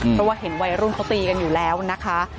เพราะว่าเห็นวัยรุ่นเขาตีกันอยู่แล้วนะคะ